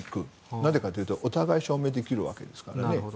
なぜかというとお互いに証明できるわけですからね。